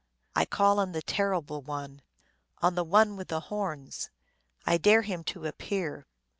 1 call on the Terrible One ! On the One with the Horns ! I dare him to appear